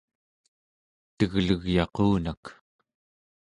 teglegyaqunak